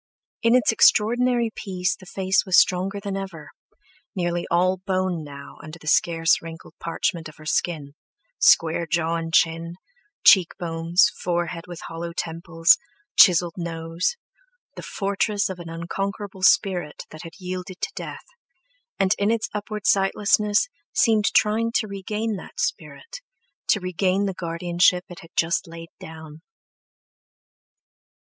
In its extraordinary peace the face was stronger than ever, nearly all bone now under the scarce wrinkled parchment of skin—square jaw and chin, cheekbones, forehead with hollow temples, chiselled nose—the fortress of an unconquerable spirit that had yielded to death, and in its upward sightlessness seemed trying to regain that spirit, to regain the guardianship it had just laid down.